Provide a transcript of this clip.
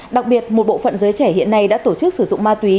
đặc biệt một bộ phận giới trẻ hiện nay đã tổ chức sử dụng ma túy